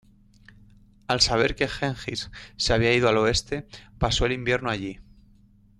Al saber que Gengis se había ido al oeste, pasó el invierno allí.